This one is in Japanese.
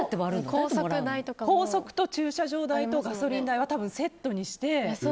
高速と駐車場代とガソリンはセットにして。